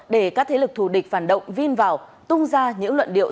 để các thế lực thù địch phản động vin vào tung ra những luận điệu